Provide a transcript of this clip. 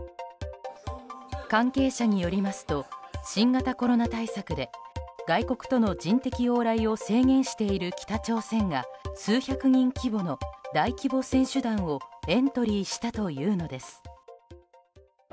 関係者によりますと新型コロナ対策で外国との人的往来を制限している北朝鮮が数百人規模の大規模選手団をエントリーしたというのです。